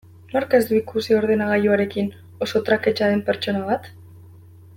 Nork ez du ikusi ordenagailuekin oso traketsa den pertsona bat?